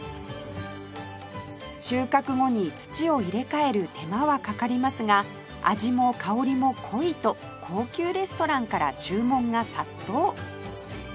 収穫後に土を入れ替える手間はかかりますが味も香りも濃いと高級レストランから注文が殺到